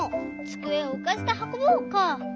つくえをうかせてはこぼう」か。